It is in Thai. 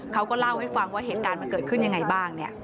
เขาก็เล่าให้ฟังว่าเหตุการณ์มันเกิดขึ้นยังไงบ้าง